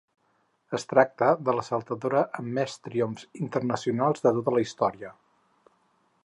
Es tracta de la saltadora amb més triomfs internacionals de tota la història.